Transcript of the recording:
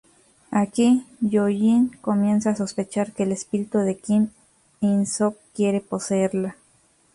Aquí, Yoo-Jin comienza a sospechar que el espíritu de Kim In-Sook quiere poseerla.